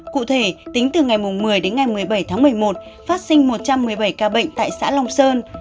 cụ thể tính từ ngày một mươi đến ngày một mươi bảy tháng một mươi một phát sinh một trăm một mươi bảy ca bệnh tại xã long sơn